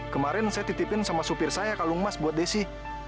kemarin saya titipin sama supir saya kalung mas buat desi